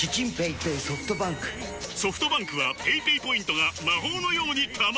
ソフトバンクはペイペイポイントが魔法のように貯まる！